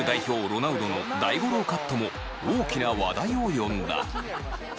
ロナウドの大五郎カットも大きな話題を呼んだ。